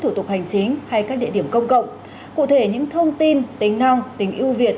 thủ tục hành chính hay các địa điểm công cộng cụ thể những thông tin tính năng tính ưu việt